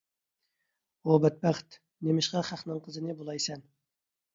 ھۇ بەتبەخت، نېمىشقا خەقنىڭ قىزىنى بۇلايسەن؟